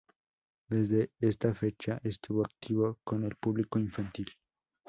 Desde esta fecha estuvo activo con el público infantil.